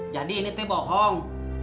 jadi ini teh bohong